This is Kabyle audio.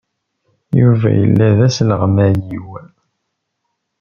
Yuba yella d asleɣmay-iw.